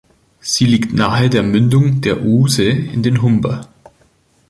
Sie liegt nahe der Mündung der Ouse in den Humber.